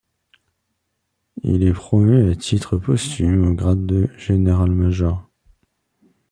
Il est promu à titre posthume au grade de Generalmajor.